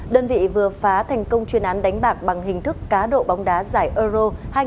đơn vị vừa phá thành công chuyên án đánh bạc bằng hình thức cá độ bóng đá giải euro hai nghìn hai mươi